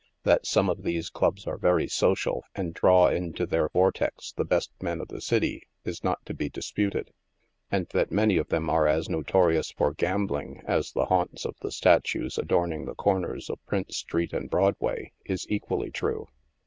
That some of these clubs are very social and draw into their vortex the best men of the city, is not to be disputed— and that many of them are as notorious for gambling as the haunts of the statues adorning the corners of Prince street and Broadway, is equally true.